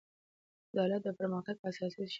عدالت د پرمختګ اساسي شرط دی.